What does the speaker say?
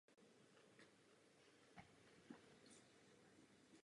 Titul kardinála nikdy nepřevzal.